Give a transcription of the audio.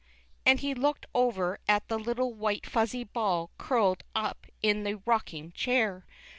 " And he looked over at the little white fuzzy ball curled up in the rocking chair.